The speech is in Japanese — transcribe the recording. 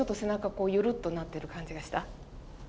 こうゆるっとなってる感じがした？